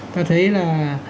ta thấy là